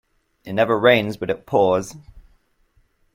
It never rains but it pours.